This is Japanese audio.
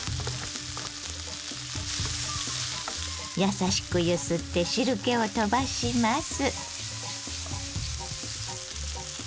優しく揺すって汁けをとばします。